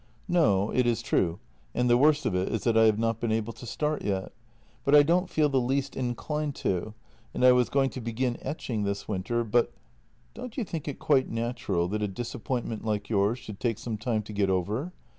" No, it is true, and the worst of it is that I have not been able to start yet. But I don't feel the least inclined to, and I was going to begin etching this winter, but. ..."" Don't you think it quite natural that a disappointment like yours should take some time to get over?